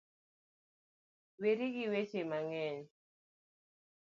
Weri gi weche mang'eny